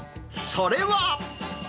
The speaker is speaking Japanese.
それは。